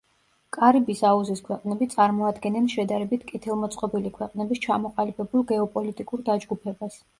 კარიბის აუზის ქვეყნები წარმოადგენენ შედარებით კეთილმოწყობილი ქვეყნების ჩამოყალიბებულ გეოპოლიტიკურ დაჯგუფებას.